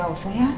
gak usah ya